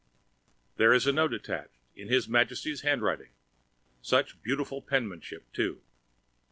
There was a note attached, in His Majesty's handwriting such beautiful penmanship, too.